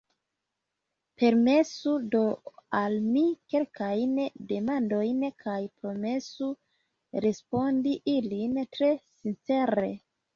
Permesu do al mi kelkajn demandojn kaj promesu respondi ilin tre sincere.